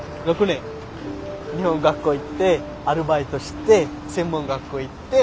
日本語学校行ってアルバイトして専門学校行って。